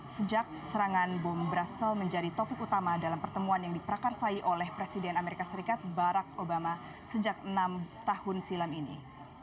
sejak serangan bom brazil menjadi topik utama dalam pertemuan yang diprakarsai oleh presiden amerika serikat barack obama sejak enam tahun silam ini